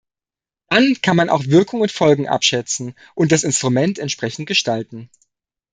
Dann kann man auch Wirkung und Folgen abschätzen und das Instrument entsprechend gestalten.